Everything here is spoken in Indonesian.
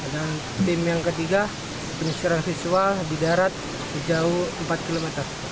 dan tim yang ketiga penyusiran visual di darat sejauh empat km